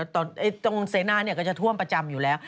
ตรงเซน่าก็จะท่วมประจำอยู่แล้ว